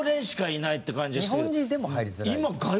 日本人でも入りづらい。